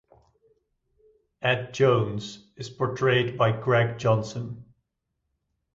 Ed Jones is portrayed by Greg Johnson.